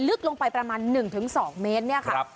ลึกลงไปประมาณหนึ่งถึงสองเมตรเนี้ยค่ะ